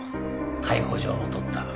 逮捕状も取った。